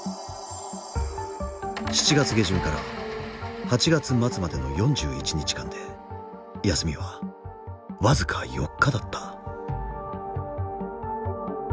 ７月下旬から８月末までの４１日間で休みは僅か４日だった。